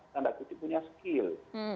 tanda kutip punya skill